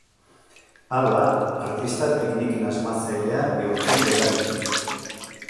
Hala, artista tekniken asmatzailea bihurtzen delarik.